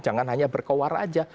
jangan hanya berkewar aja